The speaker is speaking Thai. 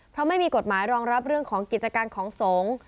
เพราะไม่มีกฎหมายรองรับเรื่องของกิจการของสงฆ์